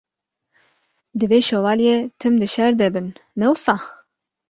Divê Şovalye tim di şer de bin, ne wisa?